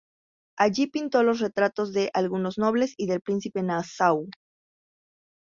Allí pintó los retratos de algunos nobles y del Príncipe de Nassau.